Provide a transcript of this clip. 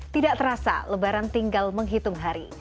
tidak terasa lebaran tinggal menghitung hari